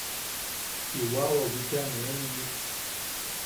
Chiwawau bicha nee nunuk.